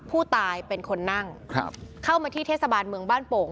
ผู้ตายเป็นคนนั่งครับเข้ามาที่เทศบาลเมืองบ้านโป่ง